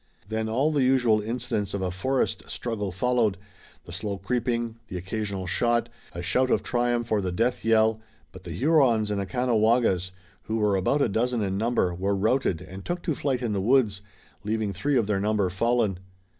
Then all the usual incidents of a forest struggle followed, the slow creeping, the occasional shot, a shout of triumph or the death yell, but the Hurons and Caughnawagas, who were about a dozen in number, were routed and took to flight in the woods, leaving three of their number fallen.